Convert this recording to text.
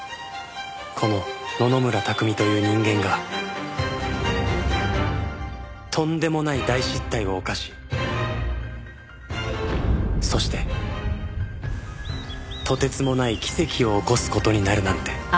この野々村拓海という人間がとんでもない大失態を犯しそしてとてつもない奇跡を起こす事になるなんて